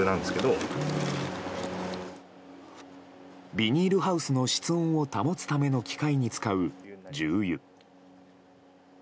ビニールハウスの室温を保つための機械に使う重油。